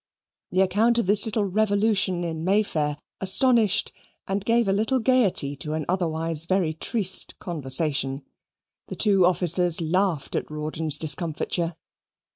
The account of this little revolution in May Fair astonished and gave a little gaiety to an otherwise very triste conversation. The two officers laughed at Rawdon's discomfiture.